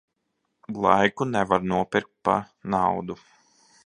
Laiku nevar nopirkt pa naudu.